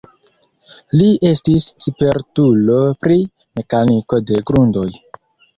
Li estis spertulo pri mekaniko de grundoj.